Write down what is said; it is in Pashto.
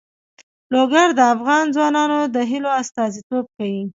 لوگر د افغان ځوانانو د هیلو استازیتوب کوي.